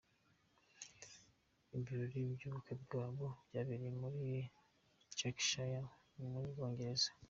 Ibirori by’ubukwe bwabo byabereye muri Cheshire mu Bwongereza.